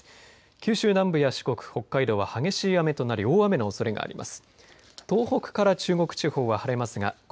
九州南部や四国、北海道は激しい雨となり大雨のおそれがあります。